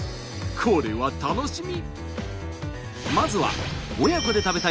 これは楽しみ！